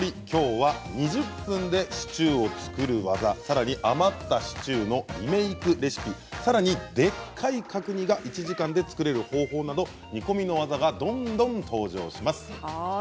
きょうは２０分でシチューを作る技余ったシチューのリメークレシピさらにでっかい角煮が１時間で作れる方法など煮込みの技がどんどん登場します。